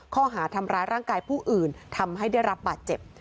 ข้อหาทำร้ายร่างกายผู้อื่นทำให้ได้รับบาดเจ็บ